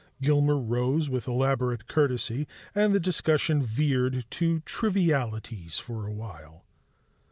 Gilmer rose with elaborate courtesy, and the discussion veered to trivialities for awhile.